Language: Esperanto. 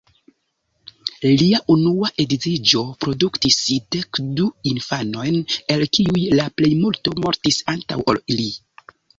Lia unua edziĝo produktis dekdu infanojn, el kiuj la plejmulto mortis antaŭ ol li.